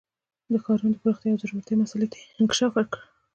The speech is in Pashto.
د ښارونو د پراختیا او ځوړتیا مسئلې ته یې انکشاف ورکړ